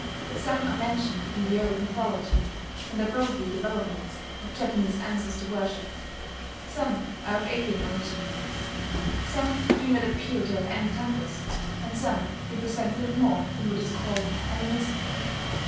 Some are mentioned in the old mythology, and are probably developments of Japanese ancestor worship; some are of alien origin; some do not appear to have any temples; and some represent little more than what is called Animism.